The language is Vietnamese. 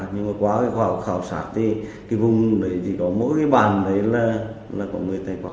nhưng mà qua khảo sát thì vùng đấy thì có mỗi cái bàn đấy là có người tây vọng